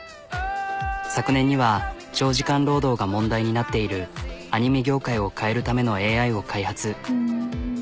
昨年には長時間労働が問題になっているアニメ業界を変えるためのＡＩを開発。